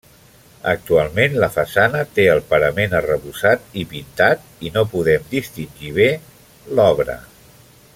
Actualment, la façana té el parament arrebossat i pintat i no podem distingir bé l'obra.